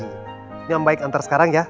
ini yang baik antar sekarang ya